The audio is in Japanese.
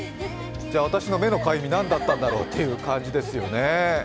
じゃあ私の目のかゆみ、何だったんだろうという感じですよね。